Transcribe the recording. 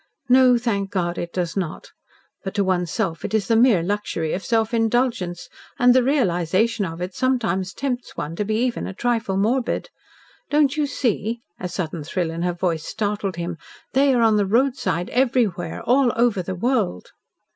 "No, thank God, it does not. But to one's self it is the mere luxury of self indulgence, and the realisation of it sometimes tempts one to be even a trifle morbid. Don't you see," a sudden thrill in her voice startled him, "they are on the roadside everywhere all over the world."